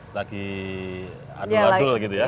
lagi adul adul gitu ya